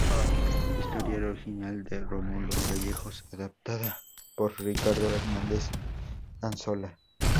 Historia original de Rómulo Gallegos, adaptada por Ricardo Hernández Anzola.